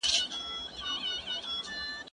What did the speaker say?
زه کتابتون ته نه ځم؟